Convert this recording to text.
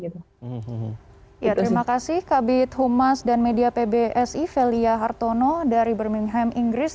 terima kasih kabit humas dan media pbsi felia hartono dari birmingham inggris